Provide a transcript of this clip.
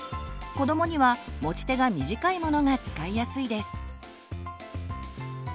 こどもには持ち手が短いものが使いやすいです。